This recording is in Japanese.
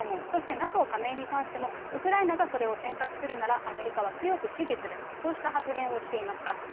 そしてＮＡＴＯ加盟に関しても、ウクライナがそれを選択するなら、アメリカは強く支持すると、こうした発言をしていました。